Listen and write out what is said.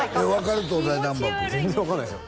全然分かんないですよ